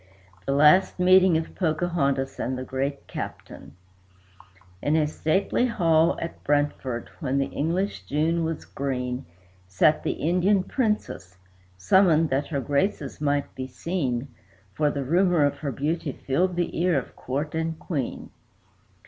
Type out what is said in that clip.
THE LAST MEETING OF POCAHONTAS AND THE GREAT CAPTAIN [June, 1616] In a stately hall at Brentford, when the English June was green, Sat the Indian Princess, summoned that her graces might be seen, For the rumor of her beauty filled the ear of court and Queen.